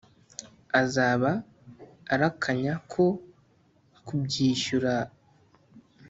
azaba arakanya ko kubyishyura.